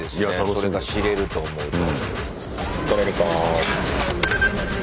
それが知れると思うと。